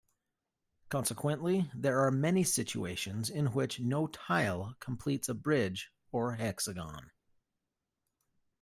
Consequently, there are many situations in which no tile completes a bridge or hexagon.